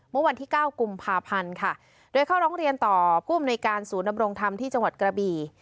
เมื่อวันที่เก้ากุมภาพันธ์ค่ะโดยเข้าร้องเรียนต่อผู้อำนวยการศูนย์ดำรงธรรมที่จังหวัดกระบี่